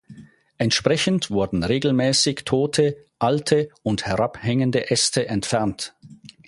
Entsprechend wurden regelmäßig tote, alte und herabhängende Äste entfernt.